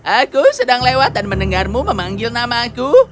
aku sedang lewat dan mendengarmu memanggil nama aku